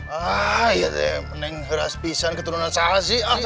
haa iya deh neng ras pisan keturunan salah sih